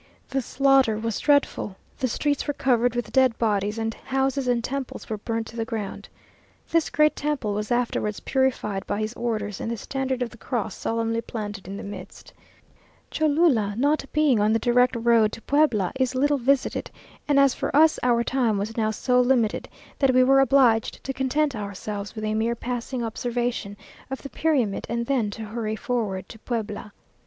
The slaughter was dreadful; the streets were covered with dead bodies, and houses and temples were burnt to the ground. This great temple was afterwards purified by his orders, and the standard of the cross solemnly planted in the midst. Cholula, not being on the direct road to Puebla, is little visited, and as for us our time was now so limited, that we were obliged to content ourselves with a mere passing observation of the pyramid, and then to hurry forward to Puebla.